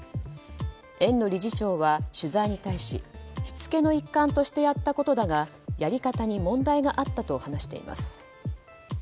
園の理事長は取材に対ししつけの一環としてやったことだがやり方に問題があったと話しています。